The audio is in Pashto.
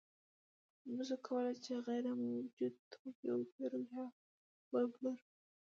موږ نشو کولی چې غیر موجود توکی وپېرو یا وپلورو